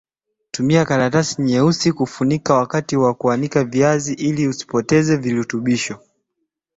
tumia karatasi nyeusi kufunika wakati wa kuanika viazi ili usipoteze virutubisho